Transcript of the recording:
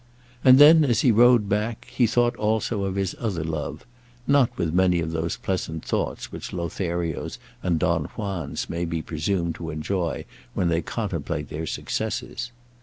And then, as he rode back, he thought also of his other love, not with many of those pleasant thoughts which Lotharios and Don Juans may be presumed to enjoy when they contemplate their successes.